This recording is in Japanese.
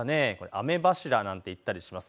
雨柱なんて言ったりします。